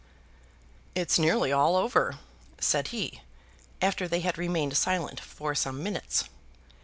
"It's nearly all over," said he, after they had remained silent for some minutes.